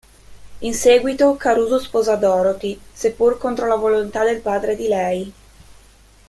In seguito Caruso sposa Dorothy, seppur contro la volontà del padre di lei.